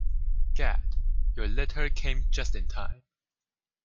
Gad, your letter came just in time.